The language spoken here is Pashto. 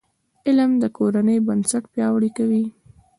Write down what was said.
علم د کورنۍ بنسټ پیاوړی کوي.